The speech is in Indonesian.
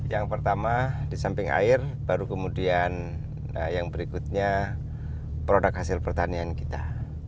yang pertama di samping air baru kemudian yang berikutnya produk hasil pertanian kita